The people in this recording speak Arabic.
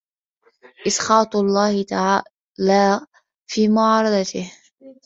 إسْخَاطُ اللَّهِ تَعَالَى فِي مُعَارَضَتِهِ